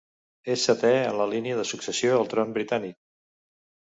És setè en la línia de successió al tron britànic.